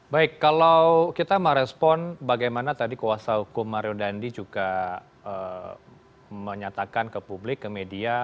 baik kalau kita merespon bagaimana tadi kuasa hukum mario dandi juga menyatakan ke publik ke media